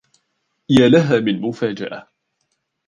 يا لها من مفاجأة!